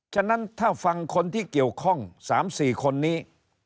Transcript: ฉะนั้นถ้าฟังคนที่เกี่ยวข้อง๓๔คนนี้